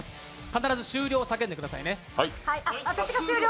必ず終了を叫んでくださいね。